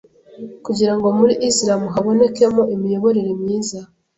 kugira ngo muri Islam habonekemo imiyoborere myiza